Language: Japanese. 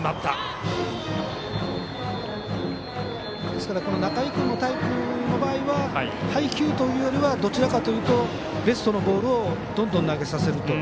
ですから仲井君のタイプの場合は配球というよりはどちらかというとベストのボールをどんどん投げさせると。